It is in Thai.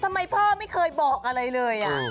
ทำไมพ่อไม่เคยบอกอะไรเลย